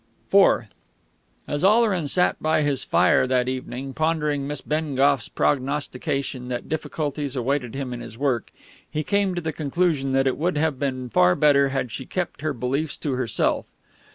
IV As Oleron sat by his fire that evening, pondering Miss Bengough's prognostication that difficulties awaited him in his work, he came to the conclusion that it would have been far better had she kept her beliefs to herself.